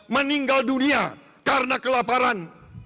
meninggal dunia karena kelaparan